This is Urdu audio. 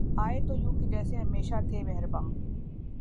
آئے تو یوں کہ جیسے ہمیشہ تھے مہرباں